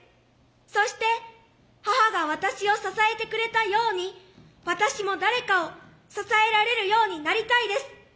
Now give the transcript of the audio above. そして母が私を支えてくれたように私も誰かを支えられるようになりたいです。